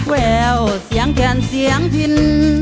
แววเสียงแขนเสียงพิน